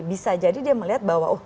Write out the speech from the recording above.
bisa jadi dia melihat bahwa